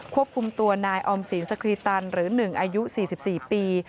ควบคุมตัวนายออมศีลสครีตันหรือ๑อายุ๔๔ปี